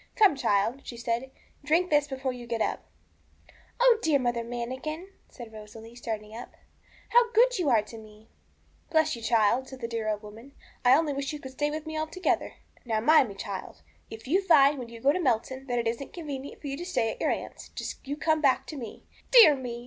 'Come, child,' she said, 'drink this before you get up.' 'Oh, dear Mother Manikin,' said Rosalie, starting up, how good you are to me!' 'Bless you, child!' said the dear little old woman; 'I only wish you could stay with me altogether. Now mind me, child, if you find, when you get to Melton, that it isn't convenient for you to stay at your aunt's, just you come back to me. Dear me!